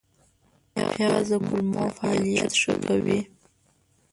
پیاز د کولمو فعالیت ښه کوي